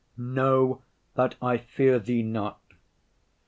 Know that I fear Thee not.